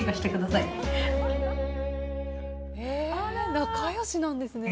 仲良しなんですね。